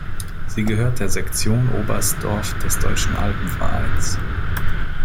Sie gehört der Sektion Oberstdorf des Deutschen Alpenvereins.